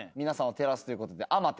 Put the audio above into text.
皆さんを照らすということで。